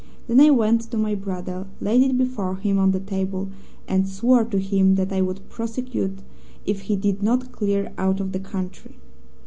Then I went to my brother, laid it before him on the table, and swore to him that I would prosecute if he did not clear out of the country.